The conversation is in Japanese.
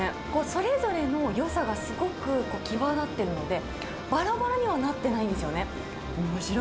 それぞれのよさがすごく際立ってるので、ばらばらにはなってないんですよね。